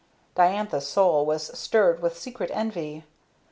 Diantha's soul was stirred with secret envy.